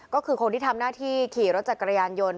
ก็คือคนที่ทำหน้าที่ขี่รถจักรยานยนต์